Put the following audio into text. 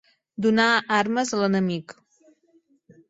Donar armes a l'enemic.